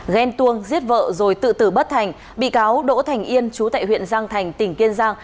ghen tuông giết vợ rồi tự tử bất thành bị cáo đỗ thành yên chú tại huyện giang thành tỉnh kiên giang